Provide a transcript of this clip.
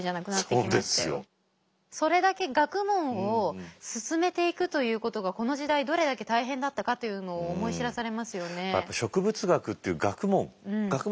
それだけ学問を進めていくということがこの時代どれだけ大変だったかというのを思い知らされますよね。